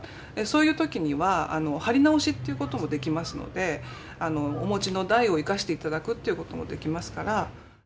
そういう時には貼り直しということもできますのでお持ちの台を生かしていただくということもできますから。